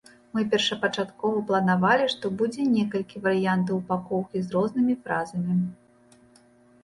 Мы першапачаткова планавалі, што будзе некалькі варыянтаў упакоўкі з рознымі фразамі.